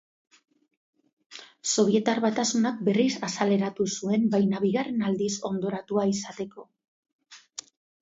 Sobietar Batasunak berriz azaleratu zuen baina bigarren aldiz hondoratua izateko.